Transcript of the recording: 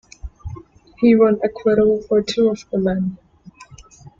He won acquittal for two of the men.